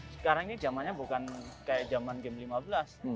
sekarang ini jamannya bukan kayak jaman game lima belas